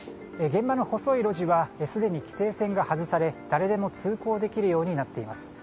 現場の細い路地はすでに規制線が外され誰もが通行できるようになっています。